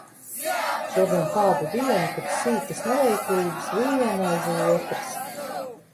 Šodien tāda diena, kad sīkas neveiklības viena aiz otras.